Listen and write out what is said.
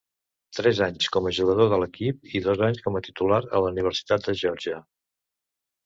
Tres anys com a jugador de l'equip i dos anys com a titular a la Universitat de Geòrgia.